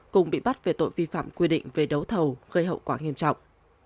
cùng bị bắt về tội vi phạm quy định về đấu thầu gây hậu quả nghiêm trọng